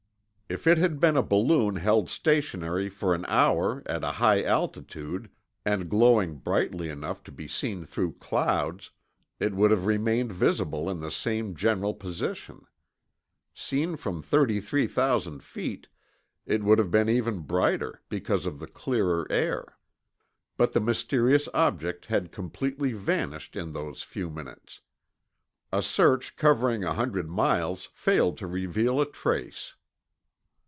If it had been a balloon held stationary for an hour at a high altitude, and glowing brightly enough to be seen through clouds, it would have remained visible in the same general position. Seen from 33,000 feet, it would have been even brighter, because of the clearer air. But the mysterious object had completely vanished in those few minutes. A search covering a hundred miles failed to reveal a trace.